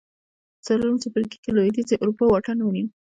په څلورم څپرکي کې لوېدیځې اروپا واټن ونیو